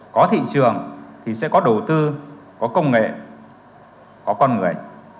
có thị trường thì sẽ có đầu tư có công nghệ có con người